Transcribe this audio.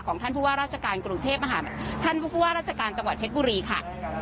ท่านผู้ว่าราชการกรุงเทพมหานครท่านผู้ว่าราชการจังหวัดเพชรบุรีค่ะ